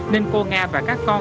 nên cô nga và các con